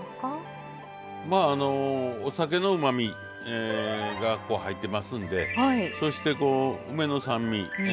お酒のうまみが入っていますんでそしてこう梅の酸味